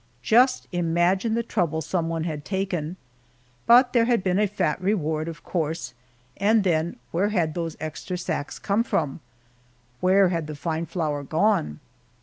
Just imagine the trouble some one had taken, but there had been a fat reward, of course, and then, where had those extra sacks come from where had the fine flour gone?